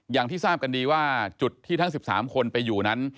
อย่างที่ทราบกันดีว่าจุดที่ทั้ง๑๓คนไปอยู่นั้น